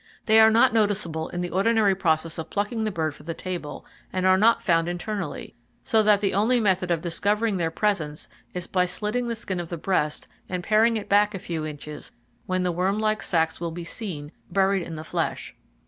They are not noticeable in the ordinary process of plucking the bird for the table, and are not found internally, so [Page 87] that the only method of discovering their presence is by slitting the skin of the breast and paring it back a few inches when the worm like sacs will be seen buried in the flesh.